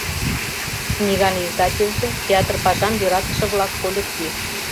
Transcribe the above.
Книган издательже — театр пашам йӧратыше-влак коллектив.